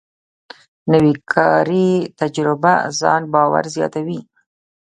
نوې کاري تجربه ځان باور زیاتوي